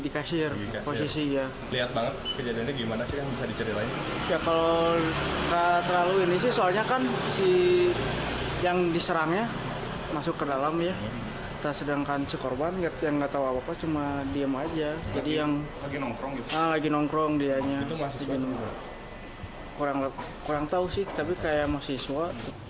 kurang tahu sih tapi kayak mahasiswa